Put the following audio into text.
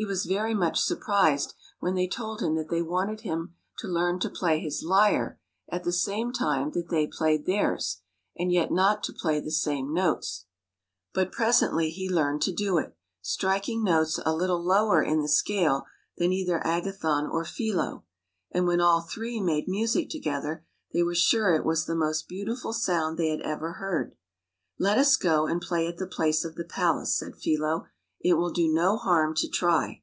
He was very much surprised when they told him that they wanted him to learn to play his lyre at the same time that they played theirs, and yet not to play the same notes. But presently he learned to do it, striking notes a little lower in the scale than either Agathon or Philo; 84 THE PALACE MADE BY MUSIC and when all three made music together, they were sure it was the most beautiful sound they had ever heard. " Let us go and play at the place of the palace!/* said Philo. " It will do no harm to try."